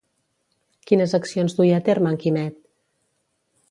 Quines accions duia a terme en Quimet?